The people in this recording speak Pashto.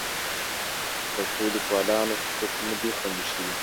د پښتو لیکوالانو حقوق نه دي خوندي شوي.